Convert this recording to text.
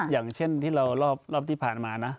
อย่างเช่นที่เรารอบที่ผ่านมานะ